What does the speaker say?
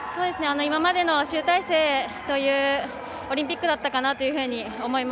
今までの集大成というオリンピックだったかな